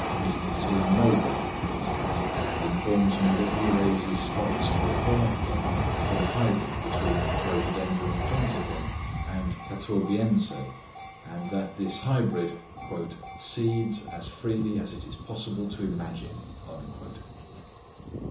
Mr. C. Noble, for instance, informs me that he raises stocks for grafting from a hybrid between Rhod. ponticum and catawbiense, and that this hybrid "seeds as freely as it is possible to imagine."